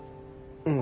うん。